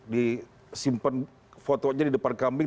disimpan fotonya di depan kambing